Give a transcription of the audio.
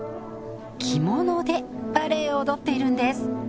着物でバレエを踊っているんです